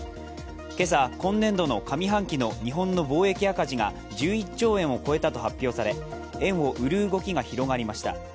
今朝、今年度の上半期の日本の貿易赤字が１１兆円を超えたと発表され円を売る動きが広がりました。